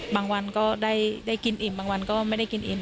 วันก็ได้กินอิ่มบางวันก็ไม่ได้กินอิ่ม